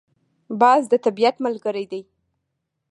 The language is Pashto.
باز د طبیعت ملګری دی